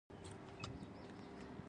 پلوشه راغله پر ځای ولې راغلل وایاست.